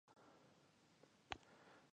ریښه یې په اروپايي استعمار کې وه.